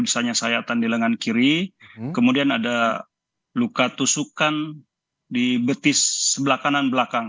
misalnya sayatan di lengan kiri kemudian ada luka tusukan di betis sebelah kanan belakang